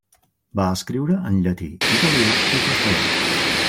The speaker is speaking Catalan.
Va escriure en llatí, italià i castellà.